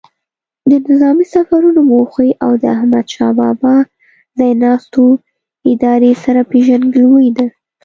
د نظامي سفرونو موخو او د احمدشاه بابا ځای ناستو ادارې سره پیژندګلوي ده.